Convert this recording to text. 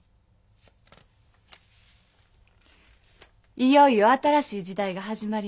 いよいよ新しい時代が始まります。